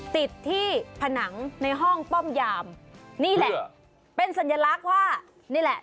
ติดที่ผนังในห้องป้อมยามนี่แหละเป็นสัญลักษณ์ว่านี่แหละ